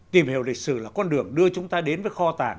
tìm hiểu lịch sử là con đường đưa chúng ta đến với khóa học